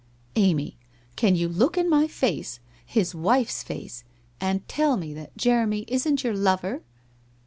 ■ Am}*, can you look in my face — his wife's face — and tell me that Jeremy isn't your lover?